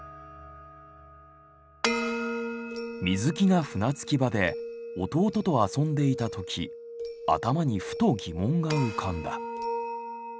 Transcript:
水木が船着き場で弟と遊んでいた時頭にふと疑問が浮かんだ。